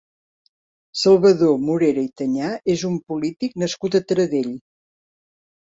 Salvador Morera i Tanyà és un polític nascut a Taradell.